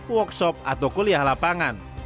workshop atau kuliah lapangan